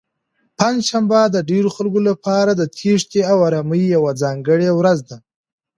پنجشنبه د ډېرو خلکو لپاره د تېښتې او ارامۍ یوه ځانګړې ورځ ده.